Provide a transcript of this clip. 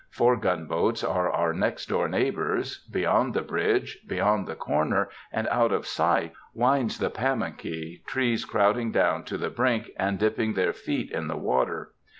Four gunboats are our next door neighbors. Beyond the bridge, round the corner, and out of sight, winds the Pamunkey, trees crowding down to the brink and dipping their feet in the water.